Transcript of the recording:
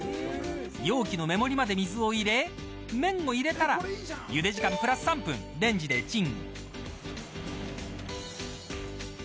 容器のメモリまで水を入れ麺を入れたらゆで時間プラス３分レンジでチン。